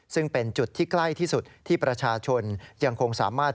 ซึ่งเป็นจุดที่ใกล้ที่สุดที่ประชาชนยังคงสามารถ